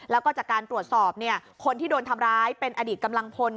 แล้วก็จากการตรวจสอบคนที่โดนทำร้ายเป็นอดีตกำลังพล